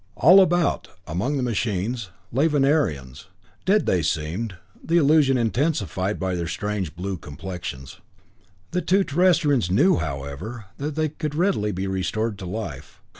All about, among the machines, lay Venerians. Dead they seemed, the illusion intensified by their strangely blue complexions. The two Terrestrians knew, however, that they could readily be restored to life.